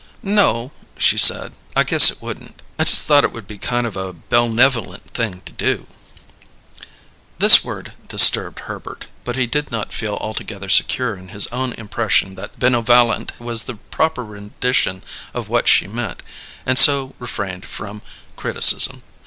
"No," she said. "I guess it wouldn't. I just thought it would be kind of a bellnevolent thing to do." This word disturbed Herbert, but he did not feel altogether secure in his own impression that "benovvalent" was the proper rendition of what she meant, and so refrained from criticism.